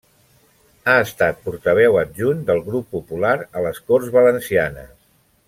Ha estat portaveu adjunt del Grup Popular a les Corts Valencianes.